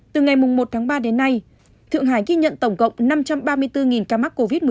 từ ngày một tháng ba đến nay thượng hải ghi nhận tổng cộng năm trăm ba mươi bốn ca mắc covid một mươi chín